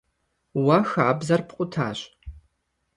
Уэ хабзэр пкъутащ.